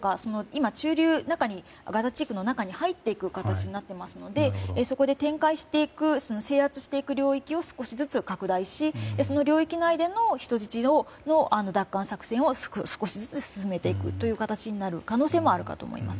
今ガザ地区の中に入っていく形になっていますのでそこで展開していく制圧していく領域を少しずつ拡大しその領域内での人質の奪還作戦を少しずつ進めていくという形になる可能性もあると思います。